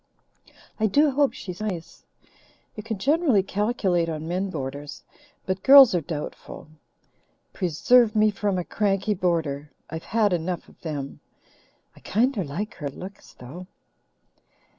"I do hope she's nice. You can generally calculate on men boarders, but girls are doubtful. Preserve me from a cranky boarder! I've had enough of them. I kinder like her looks, though."